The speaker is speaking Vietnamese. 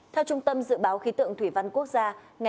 theo trung tâm dự báo khí tượng thủy văn quốc gia